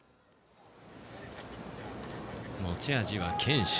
持ち味は堅守。